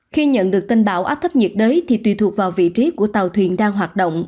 khi nhận được tin báo áp thấp nhiệt đới thì tùy thuộc vào vị trí của tàu thuyền đang hoạt động